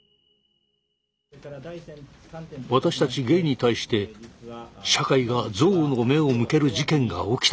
私たちゲイに対して社会が憎悪の目を向ける事件が起きたのです。